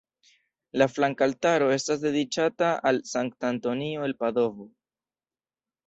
La flanka altaro estas dediĉata al Sankta Antonio el Padovo.